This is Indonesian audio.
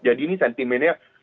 jadi ini sentimennya